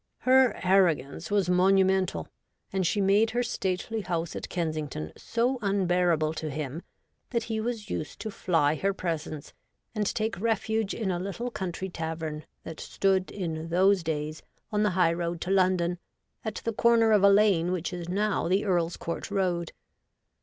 Her arrogance was monumental, and she made her stately house at Kensington so unbearable to him, that he was used to fly her presence and take refuge in a little country tavern that stood in those days on the high road to London, at the corner of a lane which is now the Earl's Court Road.